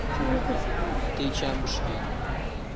تێکیان بشکێنن.